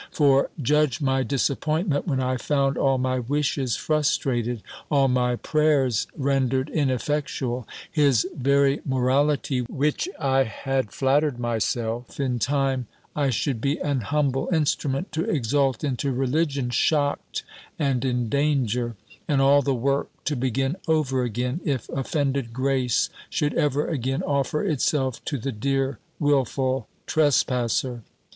For, judge my disappointment, when I found all my wishes frustrated, all my prayers rendered ineffectual; his very morality, which I had flattered myself, in time, I should be an humble instrument to exalt into religion, shocked, and in danger; and all the work to begin over again, if offended Grace should ever again offer itself to the dear wilful trespasser!